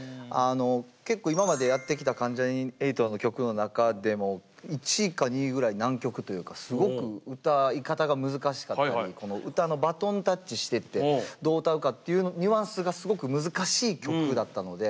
結構今までやってきた関ジャニ∞の曲の中でも１位か２位ぐらい難曲というかすごく歌い方が難しかったり歌のバトンタッチしてってどう歌うかっていうニュアンスがすごく難しい曲だったので。